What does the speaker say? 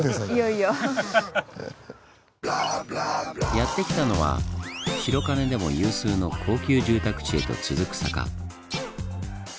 やって来たのは白金でも有数の高級住宅地へと続く坂。